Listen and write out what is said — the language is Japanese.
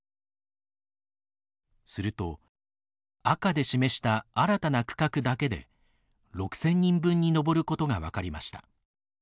すると赤で示した新たな区画だけで６，０００人分に上ることが分かりました。